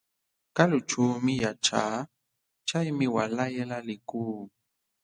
Kalućhuumi yaćhaa, chaymi waalaylla likuu.